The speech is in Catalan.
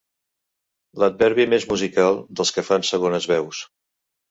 L'adverbi més musical dels que fan segones veus.